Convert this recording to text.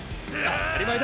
あたり前だ！！